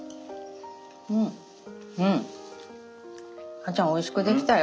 さぁちゃんおいしくできたよ。